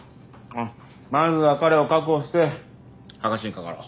おっまずは彼を確保して剥がしにかかろう。